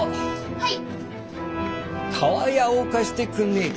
はい。